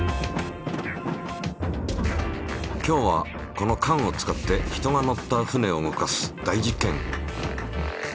今日はこのかんを使って人が乗った船を動かす大実験。